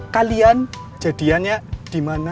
kalian jadiannya dimana